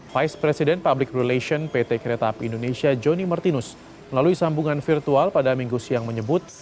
vice president public relations pt kereta api indonesia jonny martinus melalui sambungan virtual pada minggu siang menyebut